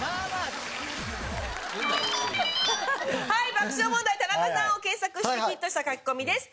爆笑問題田中さんを検索してヒットしたカキコミです。